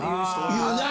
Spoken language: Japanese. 言うな。